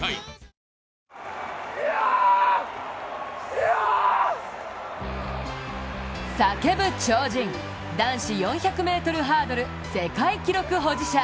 「ほんだし」で叫ぶ超人、男子４００ｍハードル世界記録保持者。